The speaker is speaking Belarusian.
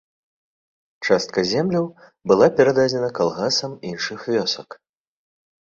Частка земляў была перададзена калгасам іншых вёсак.